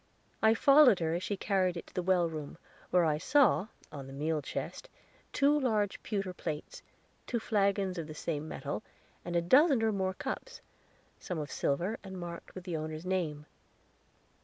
I followed her as she carried it to the well room, where I saw, on the meal chest, two large pewter plates, two flagons of the same metal, and a dozen or more cups, some of silver, and marked with the owner's name.